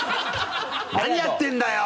何やってるんだよ！